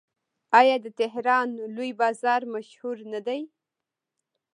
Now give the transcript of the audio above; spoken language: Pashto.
آیا د تهران لوی بازار مشهور نه دی؟